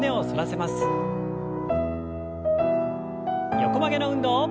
横曲げの運動。